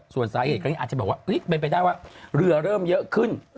ส่วนสาเหตุครั้งนี้อาจจะบอกว่าเป็นไปได้ว่าเรือเริ่มเยอะขึ้น